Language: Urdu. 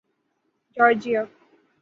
جارجیا